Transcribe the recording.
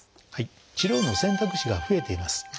治療の選択肢が増えています。